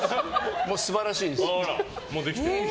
素晴らしいです。